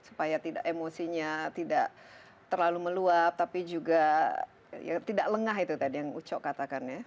supaya tidak emosinya tidak terlalu meluap tapi juga ya tidak lengah itu tadi yang uco katakan ya